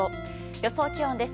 予想気温です。